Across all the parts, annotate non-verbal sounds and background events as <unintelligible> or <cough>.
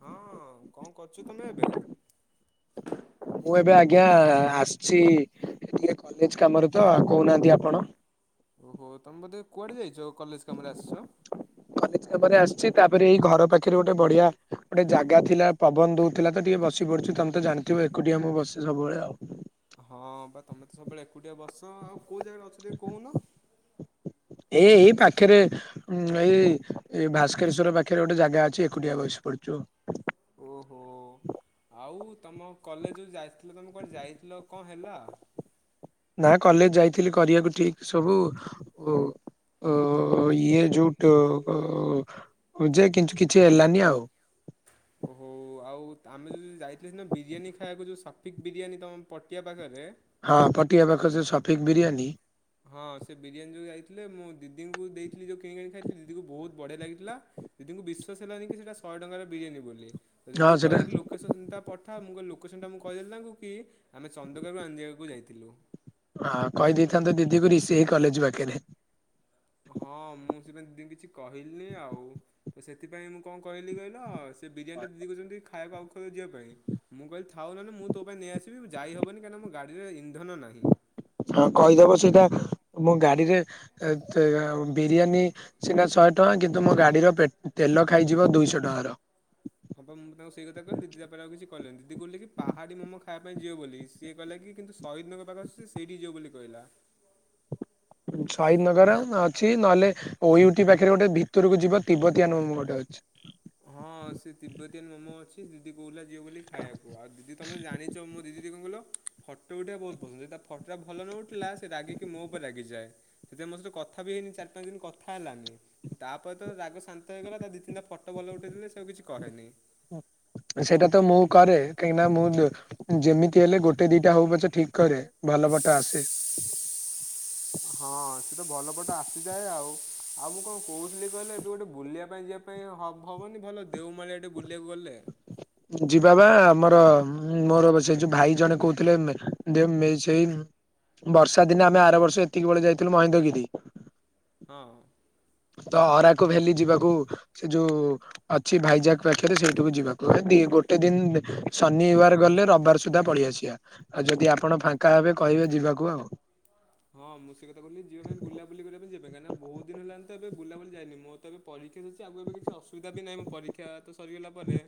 ହଁ କଣ କରୁଛୁ ତମେ ଏବେ? ମୁଁ ଏବେ ଆଜ୍ଞା ଆସିଛି ଟିକେ କଲେଜ କାମରେ ତ, କହୁନାହାନ୍ତି ଆପଣ? ଓହୋ ତମେ ବୋଧେ କୁଆଡେ ଯାଇଛ କଲେଜ କାମ ରେ ଆସିଛ? ଏତେ ପରେ ଆସିଛି ତାପରେ ଏଇ ଘର ପାଖରେ ଗୋଟେ ବଢିଆ ଗୋଟେ ଜାଗା ଥିଲା ପବନ ଦଉଥିଲା ତ ଟିକେ ବସ ବସି ପଢୁଛି ତମେ ତ ଜାଣିଥିବ ଏକୁଟିଆ ମୁଁ ବସେ ସବୁବେଳେ ଆଉ। ହଁ ବା ତମେ ତ ସବୁବେଳେ ଏକୁଟିଆ ବସ ଆଉ କୋଉ ଜାଗାରେ ଅଛ ଟିକେ କହୁନ? ଏ ଏଇ ପାଖରେ ହୁଁ ଭାଇଏ ଭାସ୍କରେସୁର ପାଖରେ ଗୋଟେ ଜାଗା ଅଛି ଏକୁଟିଆ ବସି ପଡୁଛୁ। ଓହୋ ଆଉ ତମ କଲେଜ ଯାଇଥିଲ ତମେ କୁଆଡେ ଯାଇଥିଲ କଣ ହେଲା? ନା କଲେଜ ଯାଇଥିଲି କରିବାକୁ ଠିକ ସବୁ ଓ ଇଏ ଯଉଟ ହିଁ ଯେ କିନ୍ତୁ କିଛି ହେଲାନି ଆଉ। ଓହୋ। ଆଉ ଆମେ ଯାଦି ଯାଇଥିଲ ସିନା ବିରିୟାନୀ ଖାଇବାକୁ ଯଉଁ ସଫିକ୍ ବିରିୟାନୀ ତମ ପଟିଆ ପାଖରେ ହଁ ପଟିିବା ପାଖରେ ଯୋଉ ସଫିକ୍ ବିରିୟାନୀ। ହଁ ସେ ବିରିୟାନୀ ଯଉ ଯାଇଥିଲେ ମୁଁ ଦିଦିଙ୍କୁ ଦେଇଥିଲି ଯଉ କିିକାଣି ଖାଇଥିଲେ ଦିଦିକୁ ବହୁତ ବଢିଆ ଲାଗିଥିଲା ଦିଦିଙ୍କୁ ବିଶ୍ୱାସ ହେଲାନି କି ସେଟା ଶହେ ଟଙ୍କାର ବିରିୟାନି ବୋଲି ହଁ ଦିଦି ସେଟା କହିଲେ କି ଲୋକ ଲୋକେସନ୍ଟ ପଠା ମୁଁ ଲୋକେସନ୍ଟା ମୁଁ କହିଦେଲି ତାଙ୍କୁ କି ଆମେ ଚନ୍ଦକାାରୁ ଆଞଜିବାକୁ ଯାଇଥିଲୁ। ହଁ କହିଦେଇଥାନ୍ତ ଦିଦି କୁ ରିସିଭାଇ କଲେଜ ପାଖରେ। ହଁ ମୁଁ ସେପାଇଁ କିଛି କହିଲିନି ଆଉ ତ ସେଥିପାଇଁ ମୁଁ କଣ କହିଲି କହିଲ? ସେ ବିରିୟାନୀଟା ଦିଦି କୋଉ ଛନ୍ତି ଖାଇବାକୁ ଆଉ ଖକୁ ଯିବା ପାଇଁ। ମୁଁ କହିଲି ଥାଉ ନହେନେ ମୁଁ ତୋ ପାଇଁ ନେଇ ଆସିବି ଯାଇ ହବନି କାହିକିନା ମୋ ଗଡି ରେ ଇନ୍ଦନ ନାହିଁ। ହଁ କହିଦବ ସେଇଟା ମୁଁ ଗାଡିରେ ବିରିୟାନୀ ସିନା ଶହେ ଟଙ୍କା କିନ୍ତୁ ମୋ ଗାଡିର ପେ ତେଲ ଖାଇଯିବ ଦୁଇଶହ ଟଙ୍କାର। ହଁପା ମୁଁ ତାଙ୍କୁ ସେଇ କଥା କିଲି ଦିଦି ତାପରେ ଆଉ କିଛି କହିଲେନି ଦିଦି କିଲେ କି ପାହାଡି ମୋମ ଖାଇବା ପାଇଁ ଯିବ ବୋଲି ସିଏ କଲେ କିନ୍ତୁ ଶଇଦନଗର ପାଖ ଆସୁ ସେଇଠି ଯିବ ବୋଲି କହିଲା। ଶହୀଦ ନଗର ଅଛି ନହେଲେ ଓଇଟି ପାଖରେ ଗୋଟେ ଭିତରକୁ ଯିବ ତିବଟିଆ ନୁ ଗୋଟେ ଅଛି। ହଁ ସେ ତିବ୍ବତୀୟଆ ମୋମୋ ଅଛି ଦିଦି କହୁିଥିଲା ଯିିବ ବୋଲି ଖାଇବାକୁ ଆଉ ଦିଦି ତମେ ଜାଣିଛ ମୋ ଦିଦି ଦି କଣ କହିଲ ଫଟୋ ଉଠିବା ବହୁତ ପସନ୍ଦ ଯଦି ତା ଫଟୋଟା ଭଲ ନ ଉଠିଲା ସେ ରାଗିକି ମୋ ଉପରେ ରାଗିଯାଏ। ସେଥିପାଇ ମୋ ସହିତ କଥା ବି ହେଇନି ଚାରି ପାଞ୍ଚ ଦିନ କଥା ହେଲାନି ତାପରେ ତ ରାଗ ଶାନ୍ତ ହେଇଗଲା ଦି ତିନିଟା ଫଟ ଭଲ ଉଠେଇଥିଲେ ସେଉ ଆଉ କିଛି କହେନି। ସେଇଟା ତ ମୁଁ କରେ କାହିଁକିନା ମୁଁ ଯେମିତି ହେଲେ ଗୋଟେ ଦିଟା ହଉ ପଛକେ ଠିକି କରେ। ଭଲ ଫଟ ଆସେ। ହଁ ସେ ତ ଭଲ ଫଟ ଆସିଯାଏ ଆଉ ଆଉ ମୁଁ କଣ କହୁଥିଲି କହିଲେ ଏବେ ଗୋଟେ ବୁଲିବା ପାଇଁ ଯିବା ପାଇଁ ହ ହବନି ଭଲ ଦେଓମାଳିଆ ଏଠେ ବୁଲିବାକୁ ଗଲେ? ଯିବା ବା ଆମର ମୋର ସେ ଯୋଉ ଭାଇ ଜଣେ କହୁଥିଲେ ସେଇ ବର୍ଷା ଦିନେ ଆମେ ଆର ବର୍ଷ ଏତିକି ବେଳେ ଯାଇଥିଲୁ ମହେନ୍ଦଗିରି। ହଁ ହଁ। ତ ଅରାକୁ ଭ୍ୟାଲି ଯିବାକୁ ସେ ଯୋଉ ଅଛି ଭାଇଜାକ ପାଖରେ ସେଇଠିକୁ ଯିବାକୁ ଗୋଟେ ଦିନ ଶନିବାର ଗଲେ ରବିବାର ସୁଧା ସୁଧା ପଳେଇଆସିବା ଆଉ ଯଦି ଆପଣ ଫାଙ୍କା ହେବେ କହିବେ ଯିବାକୁ ଆଉ। ହଁ ମୁଁ ସେ କଥା କିଲି ଯିବା ପାଇଁ ବୁଲା ବ କରିବାକୁ ପାଇଁିବବେ କାହିଁକ ବହୁ ଦିନ ହେଲାଣି ତ ଏ ବୁଲାବୁଲି ଯାଇନି ମୋର ତ ଏବେ ପରୀକ୍ଷା ସରିଛି ଆଗକୁ ଏବେ କିଛିୁ ସୁବିଧା ବି ନାହିଁ ମୁଁ ପରୀକ୍ଷା ତ ସରିଗଲା ପରେ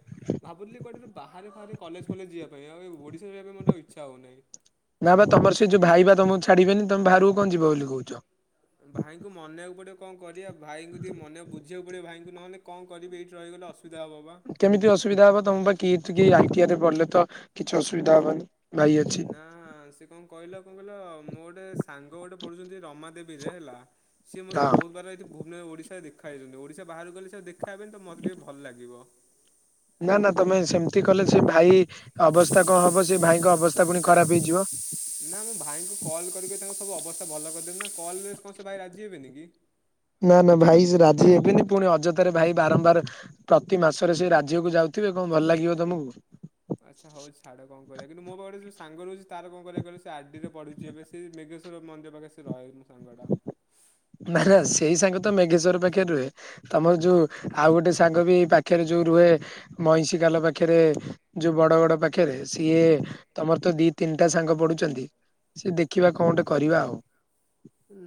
ଭାବୁିଲି କୁଆଡେ ବାହାରେ ବାହାରେ କଲେଜ ଫଲେଜ ଯିବା ପାଇଁ ଆଉ ଓଡ଼ିଶାରେ ରହିବା ପାଇଁ ମୋତ ଇଚ୍ଛା ହେଉନାହିଁ। ନା ବା ତମର ସେ ଯୋଉ ଭାଇ ବା ତମକୁ ଛାଡିବେନି ତମେ ବାହାରକୁ କଣ ଯିବ ବୋଲି କହୁଛ? ଭାଇଙ୍କୁ ମନେଇବାକୁ ପଡିବ କଣ କରିବା ଭାଇଙ୍କୁ ଟିକେ ମନେ ବୁଝିବାକୁ ପଡିବ ଭାଇଙ୍କୁ ନହେଲେ କଣ କରିବି ଏଇଠି ରହିଗଲେ ଅସୁବିଧା ହେବ ବା। କେମିତି ଅସୁବିଧା ହବ ତମ ବା କି କି ଆଇ ଟିଆ ରେ ପଢିଲେ ତ କିଛି ଅସୁବିଧା ହବନି। ଭାଇ ଅଛି ନା ସେ କଣ କହିଲ କଣ କହିଲ ମୋ ଗୋଟେ ସାଙ୍ଗ ଗୋଟେ ପଢୁଛନ୍ତି ରମା ଦେବୀରେ ହେଲା ସିଏ ମୋେ ହଁ ବହୁତ ବାର ଏଠି ଭୁବନସ୍ଵର ରେ ଓଡିଶାରେ ଦେଖାହେଇଛନ୍ତି ଓଡିଶା ବାହାରାରୁକୁ ଗଲେ ଆଉ ଦେଖ ଖାହେବେନି ତ ମୋତେ ଟିକେ ଭଲ ଲାଗିବ। ନା ନା ତମେ ସେମିତି କଲେ ସେ ଭାଇ ଅବସ୍ଥା କଣ ହବ ସେ ଭାଇଙ୍କ ଅବସ୍ଥା ପୁଣି ଖରାପ ହେଇଯିବ। ନା ମୁଁ ଭାଇଙ୍କୁ କଲ୍ କରିକି ତାଙ୍କ ସବୁ ଅବସ୍ଥା ଭଲ କରିଦେବି ନା କଲ୍ କଣ ସେ ଭାଇ ରାଜି ହେବେନି କି? ନା ନା ଭାଇ ସେ ରାଜି ହେବେନି ପୁଣି ଅଯଥାରେ ଭାଇ ବାରମ୍ବାର ପ୍ରତି ମାସରେ ସେ ରାଜ୍ୟକୁ ଯାଉଥିବେ କଣ ଭଲ ଲାଗିବ ତମକୁ? ଆଚ୍ଛା ହଉ ଛାଡ କଣ କରିବା, କିନ୍ତୁ ମୋ ପାଖରେ ଗୋଟେ ଯଉ ସାଙ୍ଗ ରହୁଛି ତାର କଣ କରିବା କହିଲ, ସେ ଆର ଡି ରେ ପଢୁଛି ଏ ସେ ନେଗୋ ମନ୍ଦିର ପାଖେ ସେ ରହେ ମୋ ସାଙ୍ଗଟା। ନା ନା ସେଇ ସାଙ୍ଗ ତ ମେଘେଶ୍ଵର ପାଖରେ ରୁହେ। ତମର ଯୋଉ ଆଉ ଗୋଟେ ସାଙ୍ଗ ବି ପାଖରେ ଯୋଉ ରୁହେ ମଇଁଷି କାଲ ପାଖରେ। ଯୋଉ ବଡଗଡ ପାଖରେ ସିଏ ତମର ତ ଦି ତିନିଟା ସାଙ୍ଗ ପଢ଼ୁଛନ୍ତି। ସେ ଦେଖିବା କଣ ଗଟେ କରିବା ଆଉ।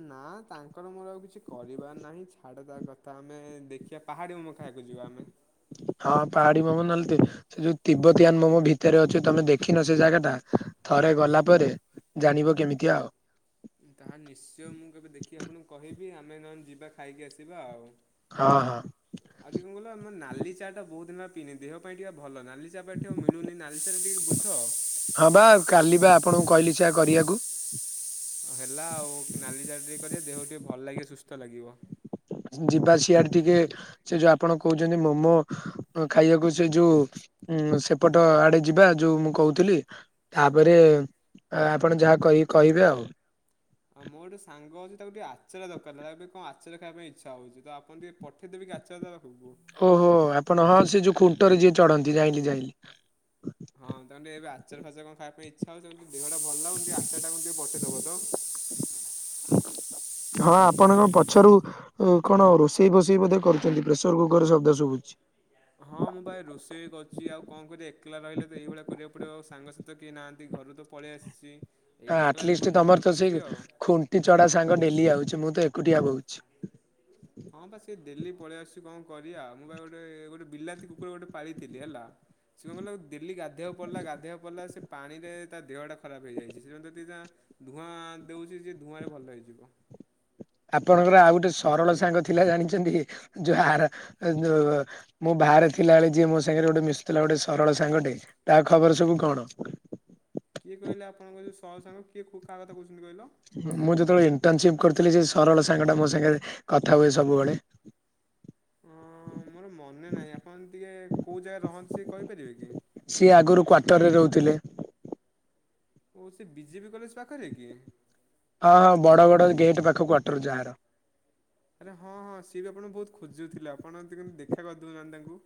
ନା ତାଙ୍କର ମୋର ଆଉ କିଛି କରିବାର ନାହିଁ ଛାଡ ତା କଥା ଆମେ ଦେଖିବା ପାହାଡ଼ି ମୋମୋ ଖାଇବାକୁ ଯିବା ଆମେ। ହଁ ପାହାଡ଼ି ମୋମୋ ନଲ୍ତି ସେ ଯୋଉ ତବତିଆନ ମୋମ ଭିତରେ ଅଛି ତମେ ଦେଖିନ ସେ ଜାଗା ଟା, ଥରେ ଗଲା ପରେ ଜାଣିବ କେମିତି ଆଉ। ତାହା ନିଶ୍ଚୟ ମୁଁ କେବେ ଦେଖି ଆପଣଙ୍କୁ କହିବି, ଆମେ ନହେଲେ ଯିବା ଖାଇକି ଆସିବା ଆଉ। ହଁ ହଁ। ଆଉ ଟିକେ କଣ କହିଲ ଆମ ନାଲି ଚା ଟା ବହୁତ ଦିନ ହେଲା ପିନି, ଦେହ ପାଇଁ ଟିକେ ଭଲ ନା ନାଲିଚା ପା ଏଠି ଆଉ ମିଳୁନି, ନାଲିଚାରେ ଟିକେ ବୁଝ। ହଁ ବା କାଲି ବା ଆପଣଙ୍କୁ କହିଲି ଚା କରିବାକୁ। ହେଲା ଆଉ ନାଲି ଚା ଟିକେ କରିବେ ଦେହ ଟିକେ ଭଲ ଲାଗିବ ସୁସ୍ଥ ଲାଗିବ। ଯିବା ସିଆଡ ଟିକେ ସେ ଯୋଉ ଆପଣ କହୁଛନ୍ତି ମୋମୋ ଖାଇବାକୁ ସେ ଯୋଉ ଉଁ ସେପଟ ଆଡେ ଯିବା ଯୋଉ ମୁଁ କହୁଥିଲି। ତାପରେ ଆପଣ ଯାହା କହିକି କହିବେ ଆଉ। ଆଉ ମୋର ଗୋଟେ ସାଙ୍ଗ ଅଛି ତାକୁ ଟିକେ ଆଚାର ଦରକାର ଥିଲା, ତାକୁ ବି କଣ ଆଚାରା ଖାଇବା ପାଇଁ ଇଚ୍ଛା ହଉଛି ତ ଆ ପଣ ଟିକେ ପଠେଇଦେବେ କି ଆଚାର ତା ପାଖକୁ? ଓହୋ ଆପଣ ହଁ ସେ ଯୋଉ ଖୁଣ୍ଟରେ ଯିଏ ଚଢନ୍ତି ଯାଇଁଲି ଯାଇଁଲି। ହଁ ତାଙ୍କୁ ଟିକେ ଏବେ ଆଚାର ଫାଚର କଣ ଖଇବା ପାଇଁ ଇଚ୍ଛା ହଉଚି, ତାଙ୍କ ଦେହଟା ଭଲ ଲାଗୁନି, ଆଚାର ଟା ତାଙ୍କୁ ଟିକେ ପଠେଇ ଦେବ ତ। ହଁ ଆପଣ କଣ ପଛରୁ କଣ ରୋଷେଇ ଫୋଷେଇ ବୋଧେ କରୁଛନ୍ତି, ପ୍ରେସର କୁକର ଶବ୍ଦ ଶୁଭୁଚି। ହଁ ମୁଁ ଭାଇ ରୋଷେଇ ବି କରୁଛି ଆଉ କଣ କରିବି, ଏକଲା ରହିଲେ ତ ଏଇଭଳିଆ କରିବାକୁ ପଡିବ, ଆଉ ସାଙ୍ଗସାଥି କେହି ନାହାନ୍ତି ଘରୁ ତ ପଳେଇ ଆସିଛି। ଏଇଠି ଏକଲା ଆଟଲିଷ୍ଟ ଜୀବନଯାପନ ତମର ତ କରୁଛି ସେଇ ଆଉ। ଖୁଣ୍ଟି ଚଡା ସାଙ୍ଗ ଡେଲି ଆଉଛି ମୁଁ ତ ଏକୁଟିଆ ବହୁ ହ ହଁ ବା ସେ ଡେଲି ପଳେଇଆଶୁଛି, କଣ କରିବା, ମୁଁ ବା ଗୋଟେ ଗୋଟେ ବିଲାତି କୁକୁର ଗୋଟେ ପାଳିଥିଲି ହେଲା। ସେ କଣ୍ କହିଲ ଡେଲି ଗାଧୋଇବାକୁ ପଡିଲା ଗାଧୋଇବାକୁ ପଡ଼ିଲା ସେ ପାଣିରେ ତା ଦେହଟା ଖରାପ ହେଇଯାଇଛି <unintelligible> ଧୂଆଁ ଦଉଛି ଯେ ଧୂଆଁ ରେ ଭଲ ହେଇଯିବ। ଆପଣଙ୍କର ଆଉ ଗୋଟେ ସରଳ ସାଙ୍ଗ ଥିଲା ଜାଣିଛନ୍ତି ଯୋ ଆ ଯୋ ମୁଁ ବାହାରେ ଥିଲା ବେଳେ ଯିଏ ମୋ ସାଙ୍ଗରେ ଗୋଟେ ମିଶୁଥିଲା ଗୋଟେ ସରଳ ସାଙ୍ଗଟେ ତା ଖବର ସବୁ କଣ? କିଏ କହିଲ ଆପଣଙ୍କ ଯଉ ସରଳ ସାଙ୍ଗ, କିଏ କାହା କଥା କହୁଛନ୍ତି କହିଲ? ମୁଁ ଯେତେବେଳେ ଇଣ୍ଟର୍ନସିପ୍ କରୁଥିଲି ସେ ସରଳ ସାଙ୍ଗଟା ମୋ ସାଙ୍ଗରେ କଥା ହୁଏ ସବୁବେଳେ। ହଁ ମୋର ମନେ ନାହିଁ, ଆପଣ ଟିକେ କୋଉ ଜାଗାରେ ରହନ୍ତି ଟିକେ କହିପାରିବେ କି? ସିଏ ଆଗରୁ କ୍ଵାର୍ଟର ରେ ରହୁଥିଲେ। ଓ ସେ ବି ଜେ ପି କଲେଜ ପାଖରେ କି? ହଁ ହଁ ବଡ ବଡ ଗେଟ୍ ପାଖ କ୍ୱାଟର ଯାହାର। ଆରେ ହଁ ହଁ ସିଏ ବି ଆପଣଙ୍କୁ ବହୁତ ଖୋଜୁଥିଲା ଆପଣ ଏବେ କେମିତି ଦେଖା କରିଦେଉନାହାନ୍ତି ତାଙ୍କୁ।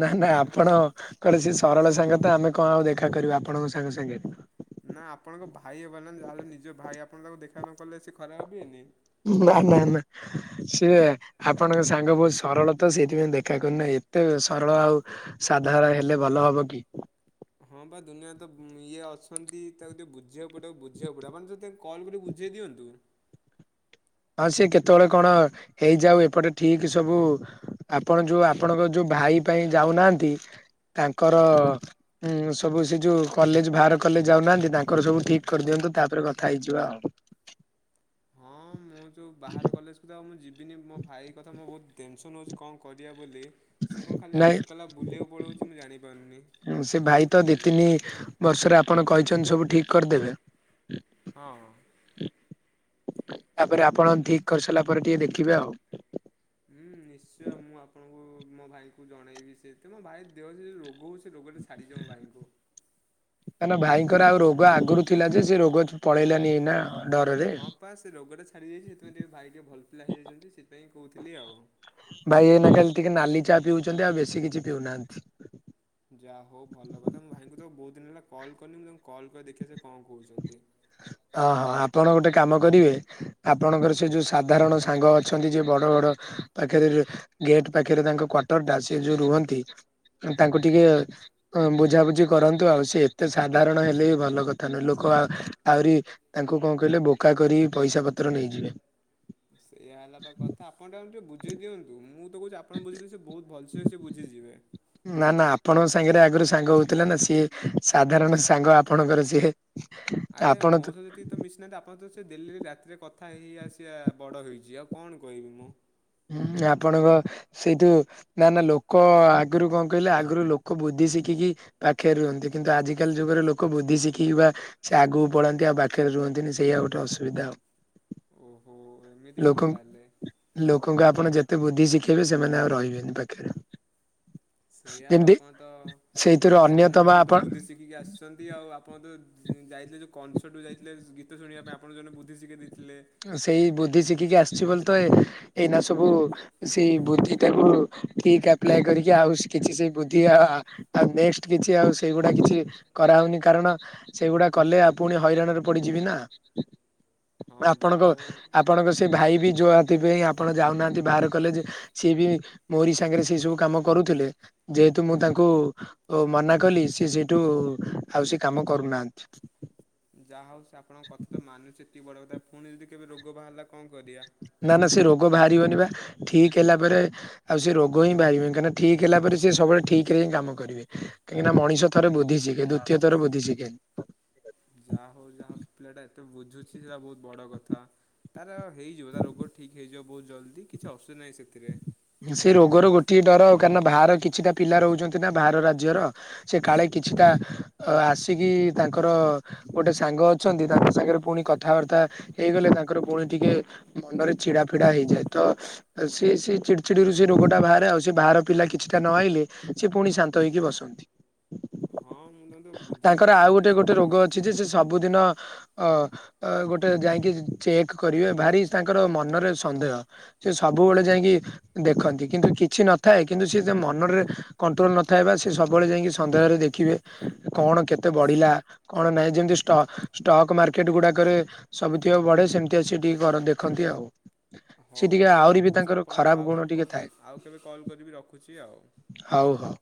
ନା ନା ଆପଣ ଙ୍କର୍ ସେ ସରଳ ସାଙ୍ଗ ତ ଆମେ କଣ ଆଉ ଦେଖା କରିବୁ ଆପଣଙ୍କ ସାଙ୍ଗ ସାଙ୍ଗେ। ନା ଆପଣଙ୍କ ଭାଇ ହେବ ନା ଯାହେଲେ ନିଜ ଭାଇ ଆପଣ ତାଙ୍କୁ ଦେଖା ନ କଲେ ସେ ଖରାପ ଭାବିବେନି? ନା ନା ନା ସେ ଆପଣଙ୍କ ସାଙ୍ଗ ବହୁତ ସରଳ ତ ସେଇଥିପାଇଁ ଦେଖା କରୁନାହିଁ ଏତେ ସରଳ ଆଉ ସାଧାରଣ ହେଲେ ଭଲ ହବ କି? ହଁ ବା ଦୁନିଆ ତ ଇଏ ଅଛନ୍ତି ତାକୁ ଟିକେ ବୁଝିବାକୁ ପଡ଼ିବ ବୁଝିବାକୁ ପଡ଼ିବ ମାନେ ଯଦି କଲ୍ କରି ବୁଝେଇ ଦିଅନ୍ତୁ। ହଁ ସିଏ କେତେବେଳେ କଣ ହେଇଯାଉ ଏପଟେ ଠିକ ସବୁ ଆପଣ ଯୋଉ ଆପଣଙ୍କ ଯୋଉ ଭାଇ ପାଇଁ ଯାଉନାହାନ୍ତି ତାଙ୍କର ହୁଁ ସବୁ ସେ ଯୋଉ କଲେଜ ବାହାର କଲେଜ ଯାଉନାହାନ୍ତି ତାଙ୍କର ସବୁ ଠିକ କରିଦିଅନ୍ତୁ ତାପରେ କଥା ହେଇଯିବ ଆଉ। ହଁ। ମୁଁ ଯୋଉ ବାହାରେ କଲେଜକୁ ଉ ମୁଁ ଯିବିନି ମୋ ଭାଇ କଥା ମୋ ବହୁତ ଟେନସନ୍ ହେଉଛି କଣ କରିବା ବୋଲି? ସେ କଣ ଖାଲି ଆଉ ନାଇଁ ଏକଲା ବୁଲିବାକୁ ପଳଉଛି ମୁଁ ଜାଣିପାରୁନି? ସେ ଭାଇ ତ ଦି ତିନି ବର୍ଷରେ ଆପଣ କହିଛନ୍ତି ସବୁ ଠିକ କରିଦେବେ। ହଁ। ତାପରେ ଆପଣ ଠିକ କରିସାରିଲା ପରେ ଟିକେ ଦେଖିବେ ଆଉ। ହୁଁ ନିଶ୍ଚୟ ମୁଁ ଆପଣଙ୍କୁ ମୋ ଭାଇଙ୍କୁ ଜଣେଇବି ସେ ତ ମୋ ଭାଇ ଦେହରେ ଯଉ ରୋଗ ହଉଛି। ସେ ରୋଗଟା ଛାଡି ଯାଉ ଭାଇଙ୍କୁ। କାହିଁକି ଭାଇଙ୍କର ଆଉ ରୋଗ ଆଗରୁ ଥିଲା ଯେ ସେ ରୋଗ ପଳେଇଲାନି ନା ଡରରେ। ବାସ ସେ ରୋଗଟା ଛାଡ଼ି ଦେଇାଇଛି ସେଥିପାଇଁ ଟିକେ ଭାଇ ଟିଏ ଭଲ ପିଲା ହେଇଯାଇଛନ୍ତି ସେଥିପାଇଁ କହୁଥିଲି ଆଉ। ଭାଇ ଏନା ଖାଲି ଟିକେ ନାଲି ଚା ପିଉଛନ୍ତି ଆଉ ବେଶୀ କିଛି ପିଉନାହାନ୍ତି। ଯାହା ହଉ ଭଲ କଥା ମୁଁ ଭାଇଙ୍କୁ ତ ବହୁତ ଦିନ ହେଲା କଲ୍ କରିଲିନି ମୁଁ ତାଙ୍କୁ କଲ୍ କରି ଦେଖିବା ସେ କଣ କହୁଛନ୍ତି। ଅ ହୋ ଆପଣ ଗୋଟେ କାମ କରିବେ? ଆପଣଙ୍କର ସେ ଯୋଉ ସାଧାରଣ ସାଙ୍ଗ ଅଛନ୍ତି ଯେ ବଡ ବଡ ପାଖରେ ଗେଟ୍ ପାଖରେ ତାଙ୍କ କ୍ଵାର୍ଟର ଟା ସେ ଯୋଉ ରୁହନ୍ତି ତାଙ୍କୁ ଟିକେ ବୁଝାବୁଝି କରନ୍ତୁ ଆଉ ସେ ଏତେ ସାଧାରଣ ହେଲେ ବି ଭଲ କଥା ନୁହଁ ଲୋକ ଆହୁରି ତାଙ୍କୁ କଣ କହିଲେ ବୋକା କରି ପଇସା ପତ୍ର ନେଇଯିବେ। ସେଇଆ ହେଲା ବା କଥା ଆପଣ ଟା ବୁଝେଇ ଦିଅନ୍ତୁ ମୁଁ ତ କହୁଛି ଆପଣ ବୁଝେଇଲେ ସେ ବହୁତ ଭଲସେ ସେ ବୁଝିଯିବେ। ନା ନା ଆପଣଙ୍କ ସାଙ୍ଗରେ ଆଗରୁ ସାଙ୍ଗ ହଉଥିଲା ନା ସିଏ ସାଧାରଣ ସାଙ୍ଗ ଆପଣଙ୍କର ସିଏ। ଆରେ ଆପଣ ତ ମୋ ସହ ଯେତିକି ତ ମିଶିନାହାନ୍ତି ଆପଣ ତ ସେ ଦିଲ୍ଲୀରେ ରାତିରେ କଥା ହେଇ ଆସିବା ବଡ଼ ହୋଇଛି ଆଉ କଣ କହିବି ମୁଁ? ହୁଁ ଆପଣଙ୍କ ସେଇଠୁ ନା ନା ଲୋକ ଆଗରୁ କଣ କହିଲେ ଆଗରୁ ଲୋକ ବୁଦ୍ଧି ଶିଖିକି ପାଖରେ ରୁହନ୍ତି କିନ୍ତୁ ଆଜିକାଲି ଯୁଗରେ ଲୋକ ବୁଦ୍ଧି ଶିଖିକି ପା ସେ ଆଗକୁ ପଢନ୍ତି ଆଉ ପାଖରେ ରୁହନ୍ତିନି ସେଇଆ ଗୋଟେ ଅସୁବିଧା ଆଉ। ଓହୋ ଏମିତି କଥା ଲୋକଙ୍କୁ ତାହେଲେ। ଲୋକଙ୍କୁ ଆପଣ ଯେତେ ବୁଦ୍ଧି ଶିଖେଇବେ ସେମାନେ ଆଉ ରହିବେନି ପାଖରେ। ସେଇ ଆଉ ଯେମିତି ଆପଣ ତ ଏ ସେଇଥିରୁ ଚାରି ଅନ୍ୟତମ ନମ୍ବରରୁ ତ ଆପଣ ବୁଦ୍ଧି ଶିଖିକି ଆସି ଛନ୍ତି ଆଉ ଆପଣ ତ ଯାଇଥିଲେ ଯେଉ କନସର୍ଟ ଯାଇଥିଲେ ଗୀତ ଶୁଣିବା ପାଇଁ ଆପଣଙ୍କୁ ଜଣେ ବୁଦ୍ଧି ଶିଖେଇ ଦେଇଥିଲେ। ସେଇ ବୁଦ୍ଧି ଶିଖିକି ଆସିଛି ବୋଲି ତ ଏଇନା ସବୁ ସେଇ ବୁଦ୍ଧିଟାକୁ ଠିକ ଆପ୍ଲାଏ କରିକି ଆଉ କିଛି ସେ ବୁଦ୍ଧି ଆଉ ନେଷ୍ଟ କିଛି ଆଉ ସେଇଗୁଡା କିଛି କରା ହଉନି କାରଣ ସେଇଗୁଡା କଲେ ଆ ପୁଣି ହଇରାଣ ରେ ପଡିଯିବି ନା। ହଁ ଆପଣଙ୍କ ଯାହା ହଉ ଆପଣଙ୍କ ସେ ଭାଇ ବି ଯଉଁଥିପାଇଁ ଆପଣ ଯାଉନାହାଁନ୍ତି ବାହାର କଲେଜ। ସିଏ ବି ମୋରି ସାଙ୍ଗରେ ସେଇ ସବୁ କାମ କରୁଥିଲେ ଯେହେତୁ ମୁଁ ତାଙ୍କୁ ଓ ମନା କଲି ସିଏ ସେଇଠୁ ଆଉ ସେ କାମ କରୁନାହାନ୍ତି। ଯାହା ହଉଛି ଆପଣଙ୍କ କଥା ତ ମାନୁଛି ଏତିକି ବଡ କଥା ପୁଣି ଯଦି କେବେ ରୋଗ ବାହାରିଲା କଣ କରିବା? ନା ନା ସେ ରୋଗ ବାହାରିବନି ପା ଠିକ ହେଲା ପରେ ଆଉ ସେ ରୋଗ ହିଁ ବାହାରିବନି କାହିଁକିନା ଠିକ୍ ହେଲା ପରେ ସେ ସବୁବେଳେ ଠିକ୍ କାମ କରିବେ କାହିଁକି ନା ମଣିଷ ଥରେ ବୁଦ୍ଧି ଶିଖେ ଦ୍ଵିତୀୟ ଥରେ ବୁଦ୍ଧି ଶିଖେନି। ଯାହା ହଉ ଯାହା ହଉ ପିଲାଟା ଏତେ ବୁଝୁଛି ସେଟା ବହୁତ ବଡ କଥା। ତାର ହୋଇଯିବ ତା ରୋଗ ଠିକ୍ ହେଇଯିବ ବହୁତ ଜଲ୍ଦି କିଛି ଅସୁବିଧା ନାହିଁ ସେଥିରେ ସେ ରୋଗର ଗୋଟିଏ ଡର କାରଣ ବାହାର କିଛିଟା ପିଲା ରହୁଛନ୍ତି ନା ବାହାର ରାଜ୍ୟର। ସେ କାଳେ କିଛିଟା ଆ ଆସିକି ତାଙ୍କର ଗୋଟେ ସାଙ୍ଗ ଅଛନ୍ତି ତାଙ୍କ ସାଙ୍ଗରେ ପୁଣି କଥାବାର୍ତ୍ତା ହେଇଗଲେ ତାଙ୍କର ପୁଣି ଟିକେ ମନରେ ଚିଡା ଫିଡା ହେଇଯାଏ ତ ସେ ସେ ଚି ଚିଡ଼ିରୁ ସେ ରୋଗଟା ବାହାରେ ଆଉ ସେ ବାହାର ପିଲା କିଛିଟା ନ ଆଇଲେ ସେ ପୁଣି ଶାନ୍ତ ହେଇକି ବସନ୍ତି। ହଁ ମୁଁ ତ ତାଙ୍କୁ ବୁଝଉଛି କି ସେମିତି କିଛି ହବ ସିଏ ଯେ ଯେ ସବୁଦିନ ଅ ଗୋଟେ ଯାଇକି ଚେକ୍ କରିବେ ଭାରି ତାଙ୍କର ମନରେ ସନ୍ଦେହ। ସେ ସବୁବେଳେ ଯାଇକି ଦେଖନ୍ତି କିନ୍ତୁ କିଛି ନଥାଏ କିନ୍ତୁ ସିଏ ଯେ ମନରେ କଣ୍ଟ୍ରୋଲ ନଥାଏ ବା ସେ ସବୁବେଳେ ଯାଇକି ସନ୍ଦେହରେ ଦେଖିବେ କଣ କେତେ ବଢିଲା? କଣ ନାହିଁ ଯେମିତି ଷ୍ଟ ଷ୍ଟକ୍ ମାର୍କେଟ ଗୁଡାକରେ ସବୁଥିବ ବଢେ ସେମିତି ଆସ ଟିକେ କର ଦେଖନ୍ତି ଆଉ। ସେ ହଉ ଟିକେ ମୁଁ ଏବେ ଆହୁରି ବି ରଖୁଛି ତାଙ୍କର ଖରାପ ଆପଣଙ୍କୁ ଆଉ ଗୁଣ କେବେ ଟିକେ କଲ୍ ଥାଏ ଆଉ କେବେ କଲ୍ କରିବି ରଖୁଛି ଆଉ। ହଉ ହଉ।